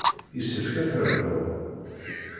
Yessefk ad t-rnuɣ.